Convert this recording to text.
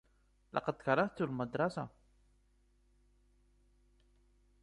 لقد كَرِهتُ المَدرَسَة.